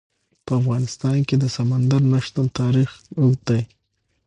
په افغانستان کې د سمندر نه شتون تاریخ اوږد دی.